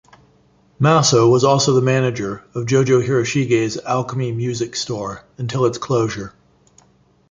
Maso was also the manager of Jojo Hiroshige's Alchemy Music Store until its closure.